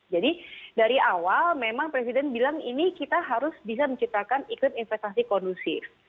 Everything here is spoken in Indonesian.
jadi dari awal memang presiden bilang ini kita harus bisa menciptakan iklim investasi kondusif